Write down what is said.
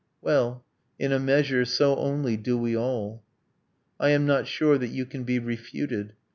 Well, in a measure, so only do we all. I am not sure that you can be refuted.